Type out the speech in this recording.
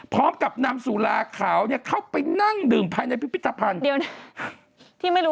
พร้อมกับนำสุราขาวนี่เข้าไปนั่งดื่มภายในพิพิษพันธุ์